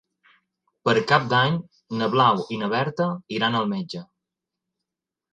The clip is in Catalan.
Per Cap d'Any na Blau i na Berta iran al metge.